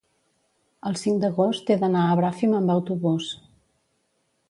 el cinc d'agost he d'anar a Bràfim amb autobús.